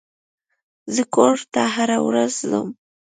زه کور ته هره ورځ ځم.